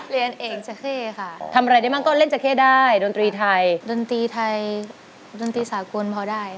เรียนเองจราเข้ค่ะทำอะไรได้บ้างก็เล่นจราเข้ได้ดนตรีไทยดนตรีไทยดนตรีสากลพอได้